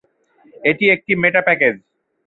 এটি একটি meta package.